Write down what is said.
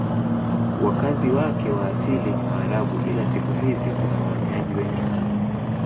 Wakazi wake wa asili ni Waarabu ila siku hizi kuna wahamiaji wengi sana.